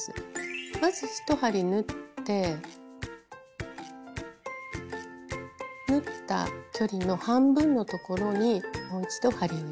まず１針縫って縫った距離の半分のところにもう一度針を入れます。